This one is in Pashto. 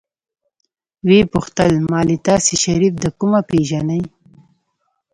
ويې پوښتل مالې تاسې شريف د کومه پېژنئ.